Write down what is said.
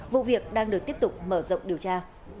vụ việc đang được tiếp tục mở rộng điều tra